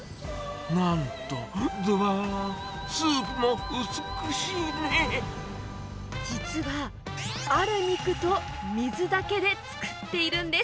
なんと、実は、ある肉と水だけで作っているんです。